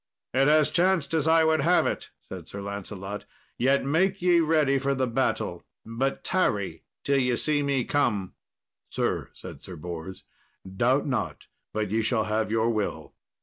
"It has chanced as I would have it," said Sir Lancelot; "yet make ye ready for the battle, but tarry till ye see me come." "Sir," said Sir Bors, "doubt not but ye shall have your will."